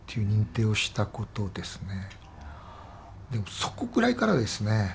そこぐらいからですね。